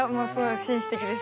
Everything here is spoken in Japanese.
紳士的です。